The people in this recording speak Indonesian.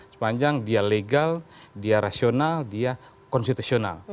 sepanjang dia legal dia rasional dia konstitusional